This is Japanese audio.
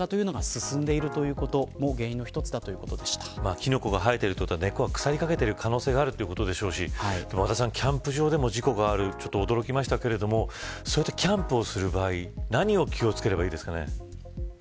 キノコが生えていることは根っこが腐りかけている可能性があるということでしょうし和田さん、キャンプ場でも事故があるのは驚きましたがキャンプをする場合何を気を付けたらいいですか。